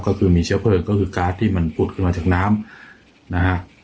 ก็คือมีเชื้อเพลิงก็คือการ์ดที่มันผุดขึ้นมาจากน้ำนะฮะ